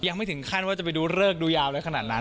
ยังไม่ถึงขั้นว่าจะไปดูเลิกดูยาวอะไรขนาดนั้น